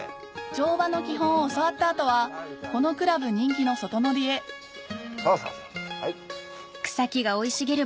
乗馬の基本を教わった後はこのクラブ人気の外乗りへそうそうそう。